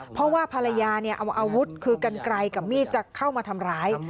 เพราะว่าภรรยาเนี่ยเอาอาวุธคือกันไกลกับมีดจะเข้ามาทำร้าย